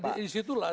nah dari disitulah